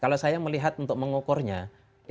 kalau saya melihat untuk mengukur situasi ini